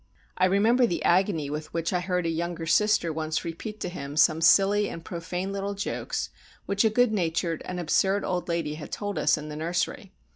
I remember the agony with which I heard a younger sister once repeat to him some silly and profane little jokes which a good natured and absurd old lady had told us in the nursery.